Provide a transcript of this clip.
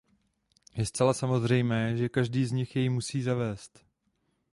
Je zcela samozřejmé, že každý z nich jej musí zavést.